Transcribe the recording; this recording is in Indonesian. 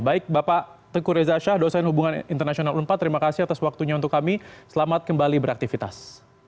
baik bapak teguh reza shah dosen hubungan internasional empat terima kasih atas waktunya untuk kami selamat kembali beraktivitas